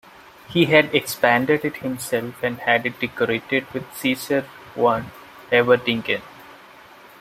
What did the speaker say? He had expanded it himself and had it decorated by Caesar van Everdingen.